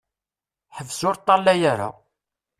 Ḥbes ur ṭṭalaya ara!